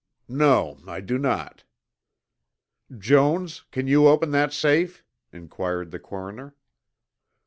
"No, I do not." "Jones, can you open that safe?" inquired the coroner.